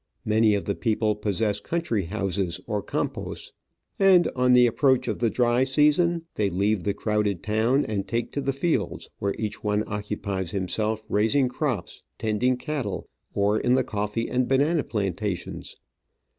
Many of the people possess country houses, or campoSy and on the ap proach of the dry season they leave the crowded town and take to the fields, where each one occupies himself raising crops, tending cattle, or in the coffee and banana plantations.